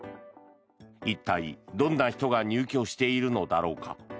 一体どんな人が入居しているのだろうか。